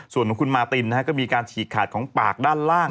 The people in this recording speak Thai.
ส่วนของคุณมาตินก็มีการฉีกขาดของปากด้านล่าง